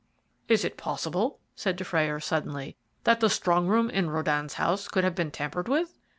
"Is it possible," said Dufrayer suddenly, "that the strong room in Röden's house could have been tampered with?"